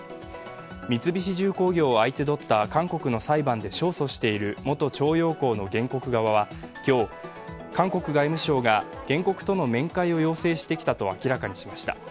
三菱重工業を相手取った韓国の裁判で勝訴している元徴用工の原告側は今日、韓国外務省が原告との面会を要請してきたと明らかにしました。